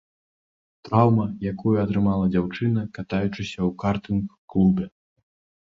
Траўма, якую атрымала дзяўчына, катаючыся ў картынг-клубе.